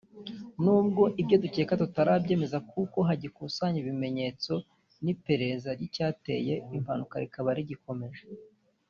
Nubwo ibyo dukeka tutarabyemeza kuko hagikusanywa ibimenyetso n'iperereza ry'icyateye impanuka rikaba rikomeje